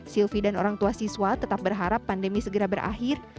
silvi dan orang tua siswa tetap berharap pandemi segera berakhir